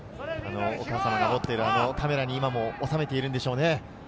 お母様が持っているカメラに今も収めているんでしょうね。